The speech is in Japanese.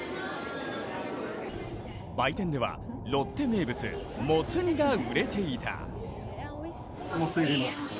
売店ではロッテ名物・もつ煮が売れていた。